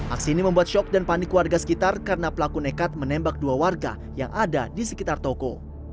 aksi ini membuat shock dan panik warga sekitar karena pelaku nekat menembak dua warga yang ada di sekitar toko